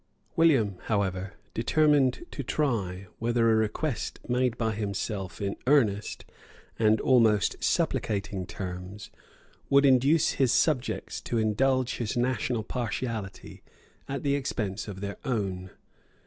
William, however, determined to try whether a request made by himself in earnest and almost supplicating terms would induce his subjects to indulge his national partiality at the expense of their own.